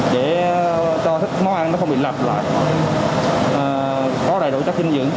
để cho món ăn nó không bị lặp lại có đầy đủ chất dinh dưỡng